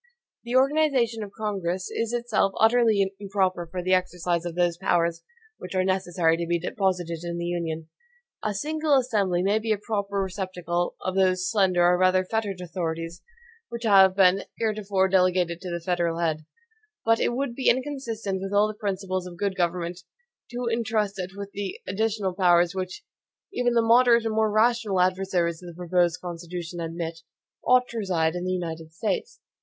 The organization of Congress is itself utterly improper for the exercise of those powers which are necessary to be deposited in the Union. A single assembly may be a proper receptacle of those slender, or rather fettered, authorities, which have been heretofore delegated to the federal head; but it would be inconsistent with all the principles of good government, to intrust it with those additional powers which, even the moderate and more rational adversaries of the proposed Constitution admit, ought to reside in the United States.